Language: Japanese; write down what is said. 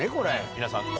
皆さん。